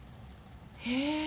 へえ。